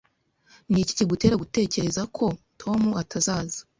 Niki kigutera gutekereza ko Tom atazaza?